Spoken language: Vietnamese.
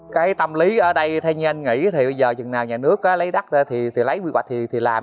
cái tâm lý ở đây theo như anh nghĩ thì bây giờ chừng nào nhà nước lấy đất thì lấy quy hoạch thì làm